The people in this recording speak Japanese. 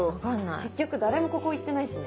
結局誰もここ行ってないしね。